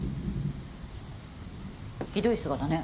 ひどい姿ね。